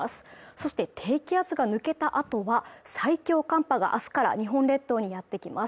そして低気圧が抜けたあとは最強寒波があすから日本列島にやってきます